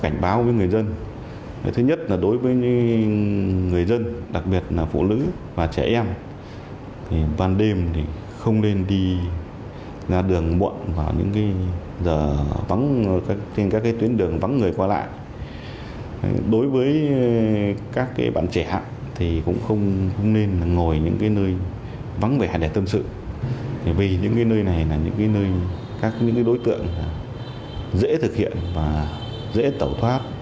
nơi này là những đối tượng dễ thực hiện dễ tẩu thoát